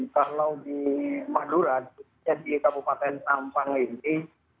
kalau di bandura di kabupaten sampang ini